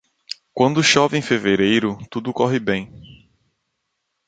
Quando chove em fevereiro, tudo corre bem.